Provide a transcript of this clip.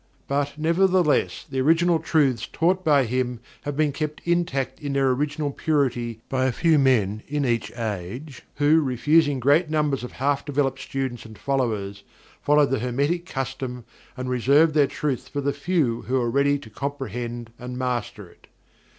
But, nevertheless, the original truths taught by him have been kept intact in their original purity by a few men each age, who, refusing great numbers of half developed students and followers, followed the Hermetic custom and reserved their truth for the few who were ready to comprehend and master it.